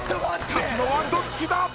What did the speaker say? ［勝つのはどっちだ⁉］